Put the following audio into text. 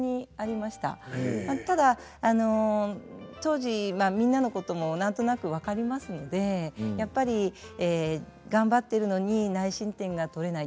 まあただ当時みんなのことも何となく分かりますのでやっぱり頑張ってるのに内申点が取れない。